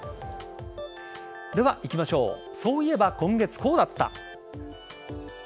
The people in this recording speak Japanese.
では、いきましょうそういえば今月こうだった。